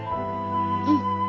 うん。